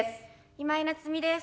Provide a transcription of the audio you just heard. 今井菜津美です。